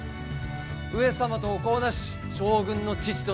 上様とお子をなし将軍の父となる。